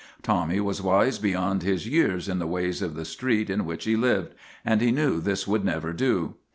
Tommy was wise beyond his years in the ways of the street in which he lived, and he knew this would never do.